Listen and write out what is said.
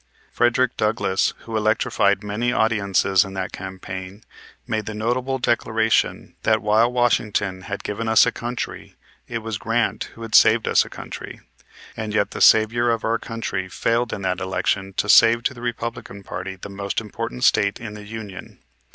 Frederick Douglass, who electrified many audiences in that campaign, made the notable declaration that "While Washington had given us a country, it was Grant who had saved us a country." And yet the savior of our country failed in that election to save to the Republican party the most important State in the Union.